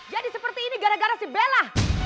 jadi seperti ini gara gara si bella